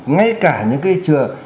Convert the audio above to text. ngay cả những cái trường